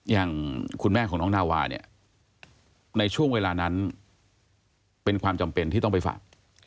อย่างคุณแม่ของน้องนาวาเนี่ยในช่วงเวลานั้นเป็นความจำเป็นที่ต้องไปฝาก